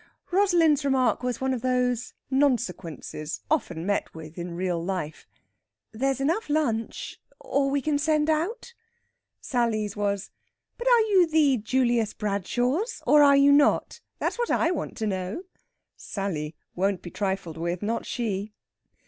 Rosalind's remark was one of those nonsequences often met with in real life: "There's enough lunch or we can send out." Sally's was: "But are you the Julius Bradshaws, or are you not? That's what I want to know." Sally won't be trifled with, not she!